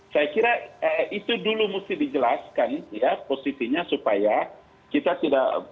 saya kira itu dulu mesti dijelaskan ya posisinya supaya kita tidak